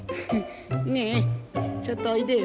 ねえちょっとおいでよ。